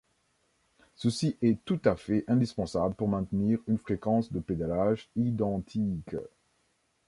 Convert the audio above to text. Ceci est tout à fait indispensable pour maintenir une fréquence de pédalage identique.